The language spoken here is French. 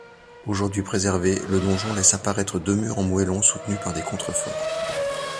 Aujourd'hui préservé, le donjon laisse apparaître deux murs en moellons soutenus par des contreforts.